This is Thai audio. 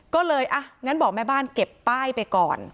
ก็เลยอ่ะงั้นบอกแม่บ้านเก็บป้ายไปก่อน